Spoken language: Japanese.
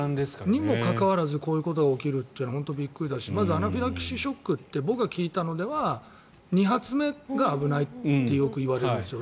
にもかかわらずこういうことが起きるというのは本当にびっくりだしまずアナフィラキシーショックって僕が聞いたのでは２発目が危ないってよく言われるんですよ。